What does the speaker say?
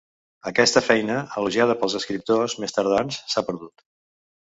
Aquesta feina, elogiada pels escriptors més tardans, s'ha perdut.